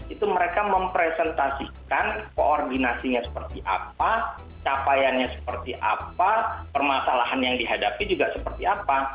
itu mereka mempresentasikan koordinasinya seperti apa capaiannya seperti apa permasalahan yang dihadapi juga seperti apa